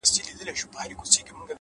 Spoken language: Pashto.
صادق چلند د درناوي سرچینه ګرځي،